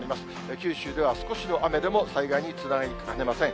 九州では少しの雨でも災害につながりかねません。